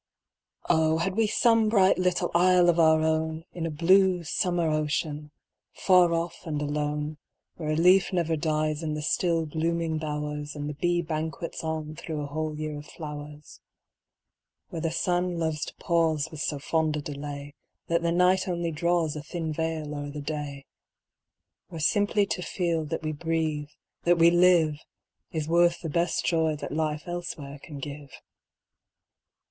Oh! had we some bright little isle of our own, In a blue summer ocean, far off and alone, Where a leaf never dies in the still blooming bowers, And the bee banquets on thro' a whole year of flowers; Where the sun loves to pause With so fond a delay, That the night only draws A thin veil o'er the day; Where simply to feel that we breathe, that we live, Is worth the best joy that life elsewhere can give.